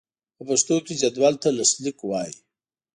په پښتو کې جدول ته لښتليک وايي.